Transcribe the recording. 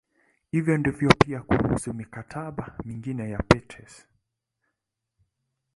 Hivyo ndivyo pia kuhusu "mikataba" mingine ya Peters.